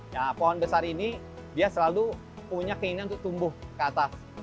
nah pohon besar ini dia selalu punya keinginan untuk tumbuh ke atas